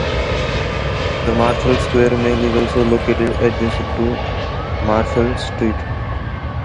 The Marshall Square Mall is also located adjacent to Marshall Street.